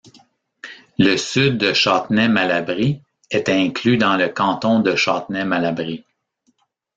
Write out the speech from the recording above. Le sud de Châtenay-Malabry était inclus dans le canton de Châtenay-Malabry.